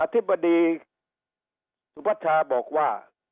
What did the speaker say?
อธิบดีสุพธาบอกว่า